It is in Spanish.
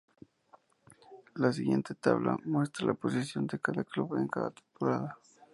La siguiente tabla muestra la posición de cada club en cada temporada.